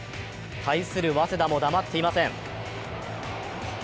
対する早稲田も黙っていません。